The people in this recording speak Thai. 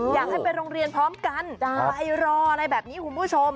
อยากให้ไปโรงเรียนพร้อมกันไปรออะไรแบบนี้คุณผู้ชม